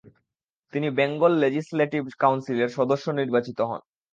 তিনি Bengal legislative কাউন্সিলের সদস্য নির্বাচিত হন।